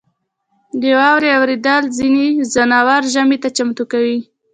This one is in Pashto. • د واورې اورېدل ځینې ځناور ژمي ته چمتو کوي.